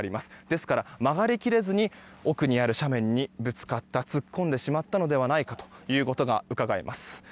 ですから、曲がり切れずに奥にある斜面にぶつかった突っ込んでしまったのではないかということがうかがえます。